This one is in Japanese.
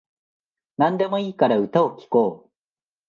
なんでもいいから歌を聴こう